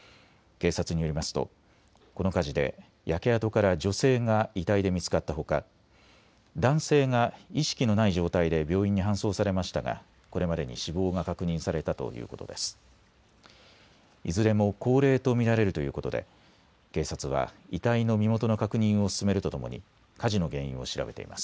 警察によりますと、この火事で焼け跡から女性が遺体で見つかったほか男性が意識のない状態で病院に搬送されましたが、これまでに死亡が確認されたということです。